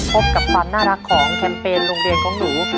พบกับฝันน่ารักของแคมเปญลูกหนู